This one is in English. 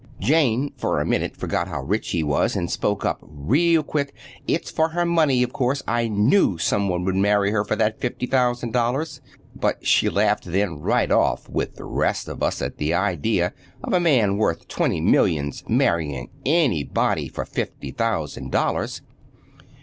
Jane, for a minute, forgot how rich he was, and spoke right up real quick—"It's for her money, of course. I knew some one would marry her for that fifty thousand dollars!" But she laughed then, right off, with the rest of us, at the idea of a man worth twenty millions marrying anybody for fifty thousand dollars.